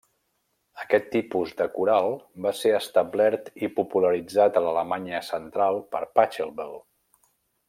Aquest tipus de coral va ser establert i popularitzat a l'Alemanya central per Pachelbel.